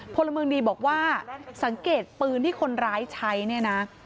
พลเมืองดีบอกว่าสังเกตปืนที่คนร้ายใช้เนี่ยนะ